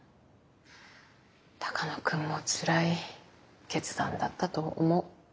鷹野君もつらい決断だったと思う。